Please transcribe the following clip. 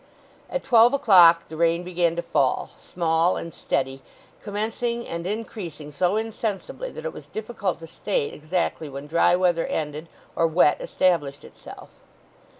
At twelve o'clock the rain began to fall, small and steady, commencing and increasing so insensibly that it was difficult to state exactly when dry weather ended or wet established itself.